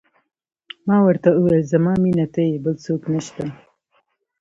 ما ورته وویل: زما مینه ته یې، بل څوک نه شته.